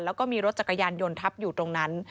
แล้วก็มีรถจักรยานยนต์ทับอยู่ตรงนั้น